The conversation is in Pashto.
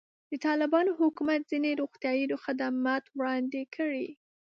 د طالبانو حکومت ځینې روغتیایي خدمات وړاندې کړي.